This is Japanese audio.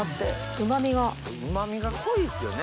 うま味が濃いですよね。